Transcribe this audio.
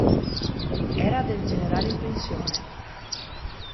Era del generale in pensione.